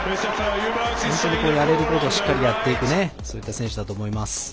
本当に、やれることをしっかりやっていく選手だと思います。